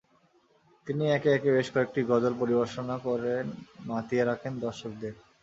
তিনি একে একে বেশ কয়েকেটি গজল পরিবেশন করেন মাতিয়ে রাখেন দর্শকদের।